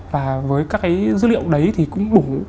và với các cái dữ liệu đấy thì cũng đủ